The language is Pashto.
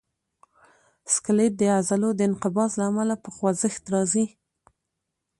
سکلیټ د عضلو د انقباض له امله په خوځښت راځي.